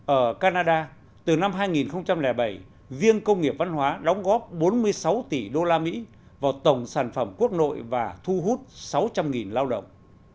ở canada từ năm hai nghìn bảy riêng công nghiệp văn hóa đóng góp bốn mươi sáu tỷ usd vào tổng sản phẩm quốc nội và thu hút sáu trăm linh lao động